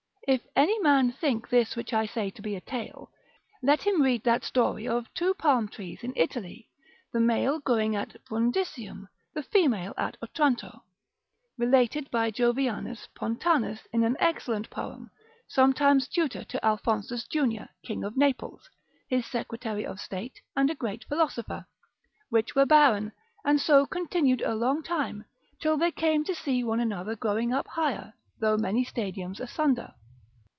If any man think this which I say to be a tale, let him read that story of two palm trees in Italy, the male growing at Brundusium, the female at Otranto (related by Jovianus Pontanus in an excellent poem, sometimes tutor to Alphonsus junior, King of Naples, his secretary of state, and a great philosopher) which were barren, and so continued a long time, till they came to see one another growing up higher, though many stadiums asunder.